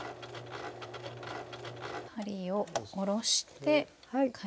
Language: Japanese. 針を下ろして回転。